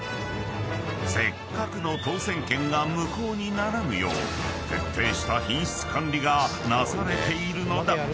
［せっかくの当せん券が無効にならぬよう徹底した品質管理がなされているのだ］